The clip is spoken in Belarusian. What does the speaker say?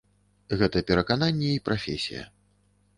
Гэта перакананні і прафесія.